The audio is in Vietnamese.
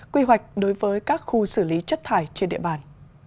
quy hoạch đối với các khu xử lý chất thải trên địa bàn